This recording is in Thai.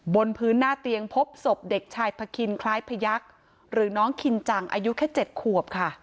บนพื้นหน้าเตียงพบศพเด็กชายพะคินคล้ายพยักษ์หรือน้องคินจังอายุแค่๗ขวบค่ะ